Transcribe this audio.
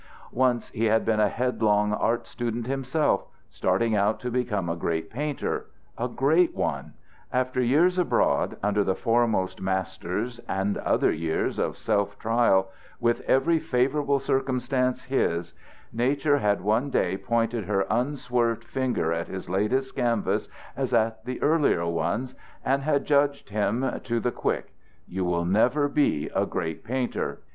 Once he had been a headlong art student himself, starting out to become a great painter, a great one. After years abroad under the foremost masters and other years of self trial with every favorable circumstance his, nature had one day pointed her unswerved finger at his latest canvas as at the earlier ones and had judged him to the quick: you will never be a great painter.